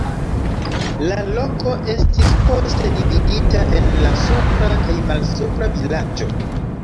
La loko estis poste dividita en la supra kaj malsupra vilaĝo.